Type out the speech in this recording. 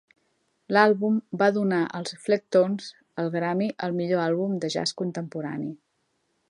L'àlbum va donar als Flecktones el Grammy al millor àlbum de jazz contemporani.